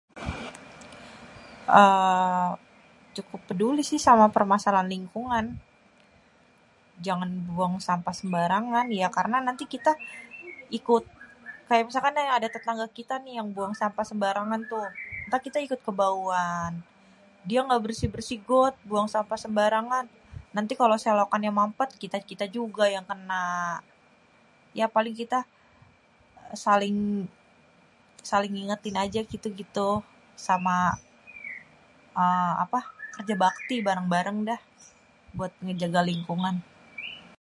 uhm Cukup peduli sih sama permasalahan lingkungan. Jangan buang sampah sembarangan karena nanti kita ikut kayak misalkan ada tetangga kita nih yang buang sampah sembarangan tuh ntar kita ikut kebawa. Dia ngga bersih-bersih got buang sampah sembarangan, nanti kalo selokannya mampet kita-kita juga yang kena. Ya paling kita saling ngingetin aja gitu-gitu, sama eee apa, kerja bakti buat ngejaga lingkungan.